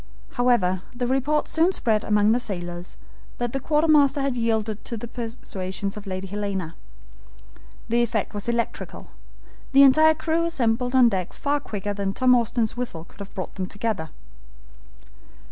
However the report soon spread among the sailors that the quartermaster had yielded to the persuasions of Lady Helena. The effect was electrical. The entire crew assembled on deck far quicker than Tom Austin's whistle could have brought them together.